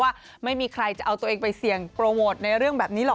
ว่าไม่มีใครจะเอาตัวเองไปเสี่ยงโปรโมทในเรื่องแบบนี้หรอก